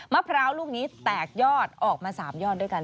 มะพร้าวลูกนี้แตกยอดออกมา๓ยอดด้วยกัน